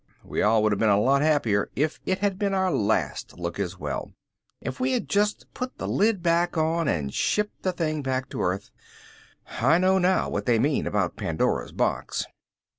We all would have been a lot happier if it had been our last look as well. If we had just put the lid back on and shipped the thing back to earth! I know now what they mean about Pandora's Box.